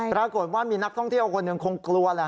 พราบความว่ามีนักท่องเที่ยวคนหนึ่งคงกลัว